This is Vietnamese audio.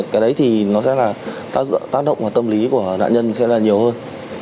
cái đấy thì nó sẽ là tác động vào tâm lý của nạn nhân sẽ là nhiều hơn